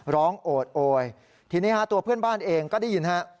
โอดโอยทีนี้ฮะตัวเพื่อนบ้านเองก็ได้ยินฮะ